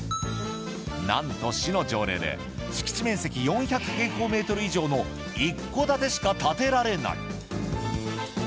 何と市の条例で敷地面積４００平方メートル以上の一戸建てしか建てられない。